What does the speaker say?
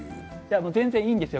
全然いいんですよ